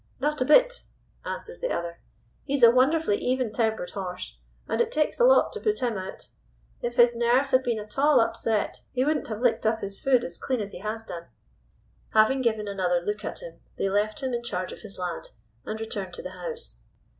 "Not a bit," answered the other. "He's a wonderfully even tempered horse, and it takes a lot to put him out. If his nerves had been at all upset he wouldn't have licked up his food as clean as he has done." Having given another look at him, they left him in charge of his lad, and returned to the house.